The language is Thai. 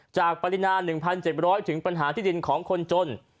ปรินา๑๗๐๐ถึงปัญหาที่ดินของคนจน